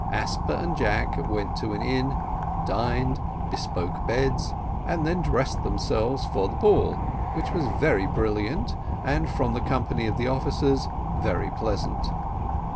Asper and Jack went to an inn, dined, bespoke beds, and then dressed themselves for the ball, which was very brilliant, and, from the company of the officers, very pleasant.